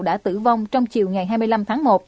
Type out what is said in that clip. đã tử vong trong chiều ngày hai mươi năm tháng một